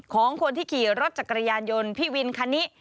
ของคนที่ขี่รถจักรยานยนต์พี่วินคันนี้